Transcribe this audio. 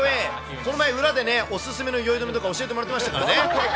この前、裏でね、お勧めの酔い止めとか、教えてもらってましたからね。